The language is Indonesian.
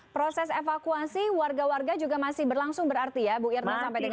proses evakuasi warga warga juga masih berlangsung berarti ya bu irna sampai dengan hari ini